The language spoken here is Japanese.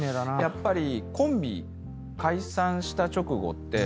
やっぱり。